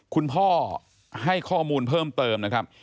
คุณพ่อให้ข้อมูลเพิ่มเติมนะครับ